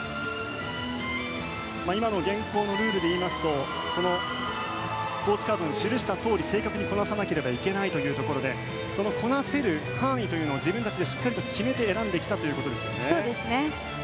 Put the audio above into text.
今の現行のルールでいいますとコーチカードに記したとおり正確にこなさなければいけないというところでそのこなせる範囲というのを自分たちでしっかり決めて選んできたということです。